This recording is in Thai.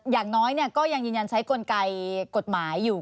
อย่างน้อยก็ยังยืนยันใช้กลไกกฎหมายอยู่